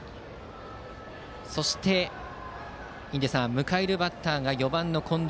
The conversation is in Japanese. そして、印出さん迎えるバッターが４番、近藤。